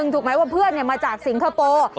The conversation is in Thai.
ถูกไหมว่าเพื่อนมาจากสิงคโปร์